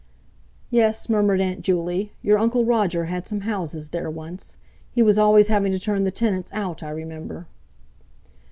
"Yes," murmured Aunt Juley, "your Uncle Roger had some houses there once; he was always having to turn the tenants out, I remember."